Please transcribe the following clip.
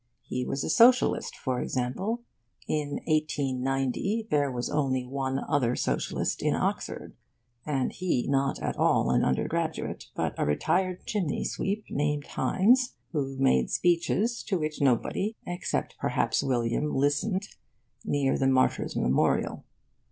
He was a socialist, for example. In 1890 there was only one other socialist in Oxford, and he not at all an undergraduate, but a retired chimney sweep, named Hines, who made speeches, to which nobody, except perhaps William, listened, near the Martyrs' Memorial.